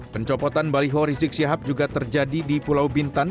pencopotan baliho rizik sihab juga terjadi di pulau bintan